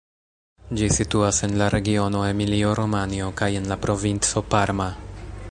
Ĝi situas en la regiono Emilio-Romanjo kaj en la provinco Parma.